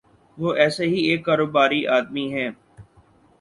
وہ ایسے ہی ایک کاروباری آدمی ہیں۔